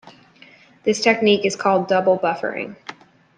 This technique is called double buffering.